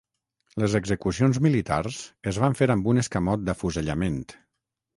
Les execucions militars es van fer amb un escamot d'afusellament.